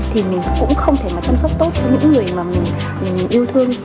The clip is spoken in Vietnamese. thì mình cũng không thể mà chăm sóc tốt cho những người mà mình yêu thương